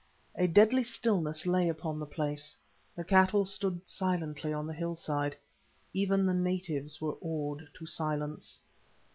A deadly stillness lay upon the place, the cattle stood silently on the hillside, even the natives were awed to silence.